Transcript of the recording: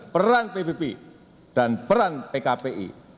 peran pbb dan peran pkpi